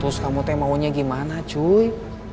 terus kamu maunya gimana cuy